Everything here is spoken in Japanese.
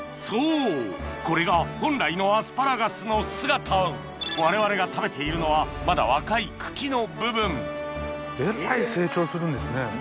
そうこれが本来のアスパラガスの姿我々が食べているのはえらい成長するんですね。